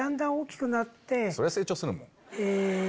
そりゃ成長するもん。